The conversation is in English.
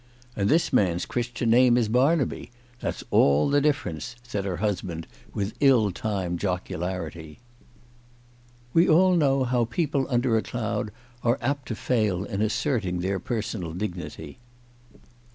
" And this man's Chris tian name is Barnaby ; that's all the difference," said her husband, with ill timed jocularity. We all know how people under a cloud are apt to 246 CHRISTMAS AT THOMPSON HALL. fail in asserting their personal dignity.